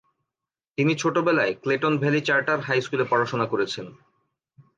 তিনি ছোট বেলায় ক্লেটন ভ্যালি চার্টার হাই স্কুলে পড়াশোনা করেছেন।